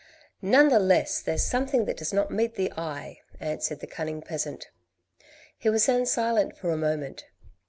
None the less there's something that does not meet the eye," answered the cunning peasant. He was then silent for a moment.